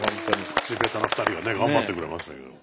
口下手な２人がね頑張ってくれましたけれども。